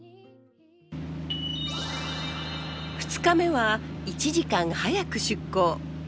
２日目は１時間早く出港。